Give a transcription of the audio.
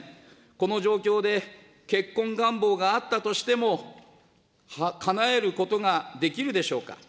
この状況で、結婚願望があったとしても、かなえることができるでしょうか。